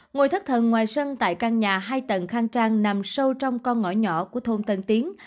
ngôi thất thần ngoài sân tại căn nhà hai tầng khang trang nằm sâu trong con ngõ nhỏ của thôn tân tiến